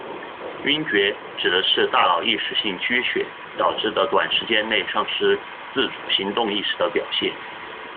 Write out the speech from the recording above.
晕厥指的是大脑一时性缺血而导致短时间内丧失自主行动意识的表现。